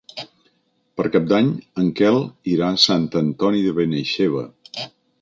Per Cap d'Any en Quel irà a Sant Antoni de Benaixeve.